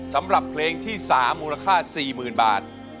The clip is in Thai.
สำหรับเพลงที่๓มูลค่า๔๐๐๐บาท